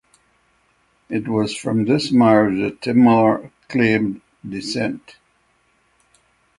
It was from this marriage that Timur claimed descent.